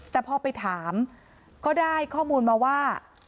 แต่พอไปถามก็ได้ข้อมูลมาว่า